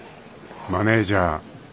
［マネジャー］